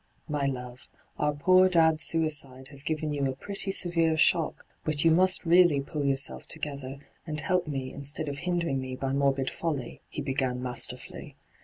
' My love, our poor dad's suicide has given you a pretty severe shock ; but you must really pull yourself together, and help me instead of hindering me by morbid folly,' he b^;an masterfully.